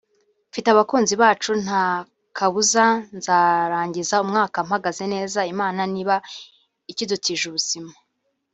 mfite abakunzi bacu ntakabuza nzarangiza umwaka mpagaze neza Imana niba ikidutije ubuzima